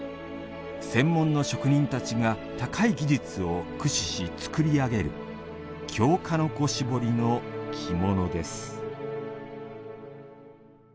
専門の職人たちが高い技術を駆使し作り上げる京鹿の子絞りの着物です。